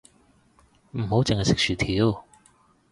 唔好淨係食薯條